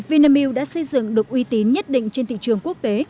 vinamilk đã xây dựng được uy tín nhất định trên thị trường quốc tế